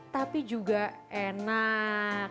tapi juga enak